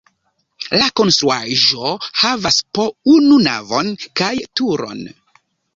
La konstruaĵo havas po unu navon kaj turon.